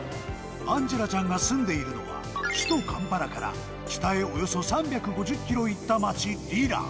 アンジェラちゃんが住んでいるのは、首都カンパラから北へおよそ３５０キロ行った町リラ。